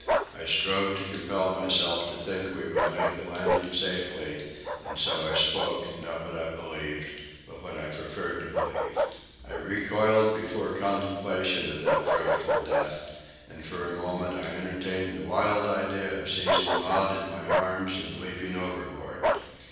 I strove to compel myself to think we would make the landing safely, and so I spoke, not what I believed, but what I preferred to believe. I recoiled before contemplation of that frightful death, and for a moment I entertained the wild idea of seizing Maud in my arms and leaping overboard.